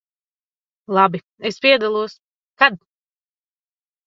Labi, es piedalos. Kad?